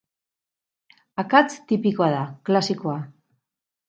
Akats tipikoa da, klasikoa.